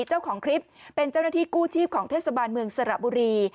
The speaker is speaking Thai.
เจ้าของคลิปเป็นเจ้าหน้าที่กู้ชีพของเทศบาลเมืองสระบุรี